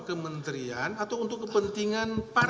kementerian atau untuk kepentingan